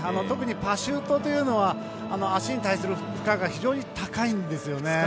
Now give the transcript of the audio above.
特にパシュートというのは足に対する負荷が非常に高いんですよね。